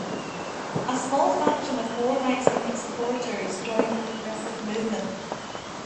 A small faction of more right-leaning supporters joined the Progressive movement.